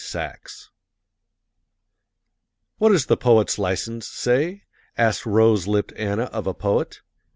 SAXE "What is the 'Poet's License,' say?" Asked rose lipped Anna of a poet.